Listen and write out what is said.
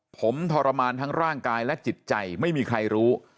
ผมทรมานทั้งร่างกายและจิตใจไม่มีใครรู้